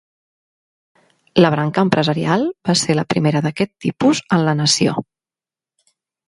La "Branca empresarial" va ser la primera d'aquest tipus en la nació.